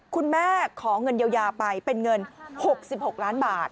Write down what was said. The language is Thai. คุณแม่ขอเงินเยียวยาไปเป็นเงิน๖๖ล้านบาท